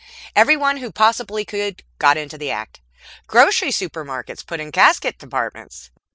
Everyone who possibly could got into the act. Grocery supermarkets put in casket departments.